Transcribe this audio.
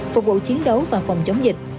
phục vụ chiến đấu và phòng chống dịch